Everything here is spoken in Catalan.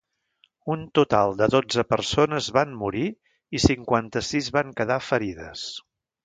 Un total de dotze persones van morir i cinquanta-sis van quedar ferides.